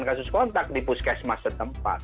kasus kontak di puskesmas setempat